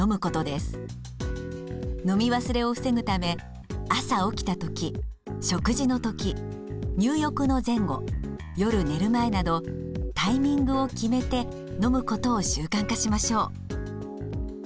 飲み忘れを防ぐため朝起きた時食事の時入浴の前後夜寝る前などタイミングを決めて飲むことを習慣化しましょう。